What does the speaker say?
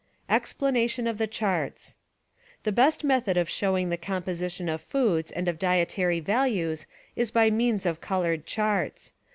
Explanation of the Charts The best method of showing the composition of foods and of dietary values is by means of colored charts.